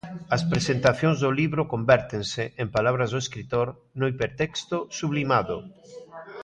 As presentacións do libro convértense, en palabras do escritor, no hipertexto sublimado.